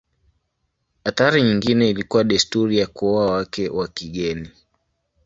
Athari nyingine ilikuwa desturi ya kuoa wake wa kigeni.